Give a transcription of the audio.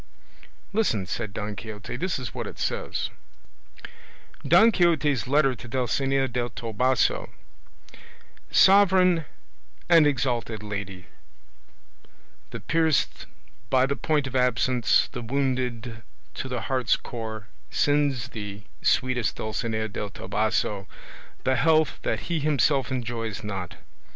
"Listen," said Don Quixote, "this is what it says: "DON QUIXOTE'S LETTER TO DULCINEA DEL TOBOSO "Sovereign and exalted Lady, The pierced by the point of absence, the wounded to the heart's core, sends thee, sweetest Dulcinea del Toboso, the health that he himself enjoys not.